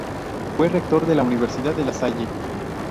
Fue Rector de la Universidad De La Salle.